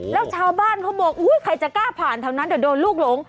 แล้วชาวบ้านเขาบอกอุ้ยใครจะกล้าผ่านแถวนั้นเดี๋ยวโดนลูกหลง